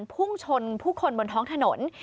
พุ่งชนผู้คนบนท้องถนน